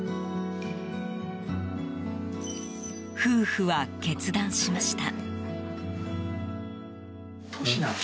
夫婦は決断しました。